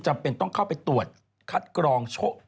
จำเป็นต้องเข้าไปตรวจคัดกรองโชค